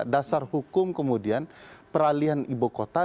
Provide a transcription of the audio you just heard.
dasar hukum kemudian peralihan ibu kota